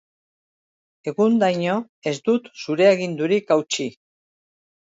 Egundaino ez dut zure agindurik hautsi.